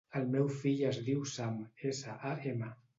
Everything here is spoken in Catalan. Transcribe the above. El meu fill es diu Sam: essa, a, ema.